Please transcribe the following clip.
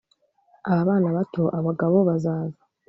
Aba bana bato abagabo bazaza